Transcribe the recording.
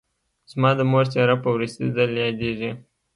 زما د مور څېره په وروستي ځل یادېږي